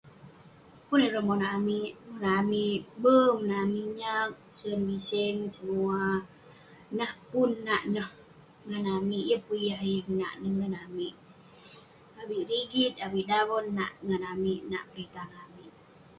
Pun ireh monak amik bee monak amik minyak usen biseng semua neh pun nak neh ngan amik yeng pun yah yeng nak neh ngan amik avik rigit avik daven nak ngan amik nat pitah ngan amik